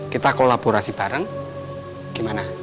kita kolaborasi bareng gimana